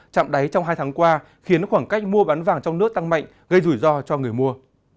chạm đáy trong hai tháng qua khiến khoảng cách mua bán vàng trong nước tăng mạnh gây rủi ro cho người mua